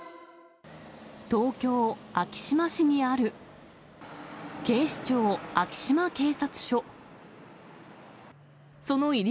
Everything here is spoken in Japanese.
東京・昭島市にある警視庁昭島警察署。